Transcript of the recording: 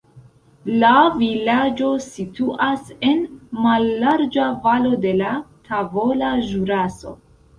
La vilaĝo situas en mallarĝa valo de la Tavola Ĵuraso.